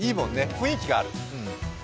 雰囲気がある。